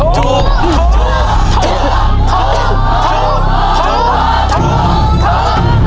ถูก